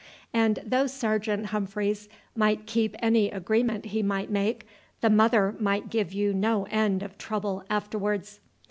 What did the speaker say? And though Sergeant Humphreys might keep any agreement he might make, the mother might give you no end of trouble afterwards."